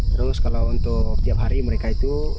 terus kalau untuk tiap hari mereka itu